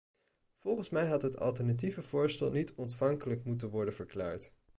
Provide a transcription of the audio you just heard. Volgens mij had het alternatieve voorstel niet ontvankelijk moeten worden verklaard.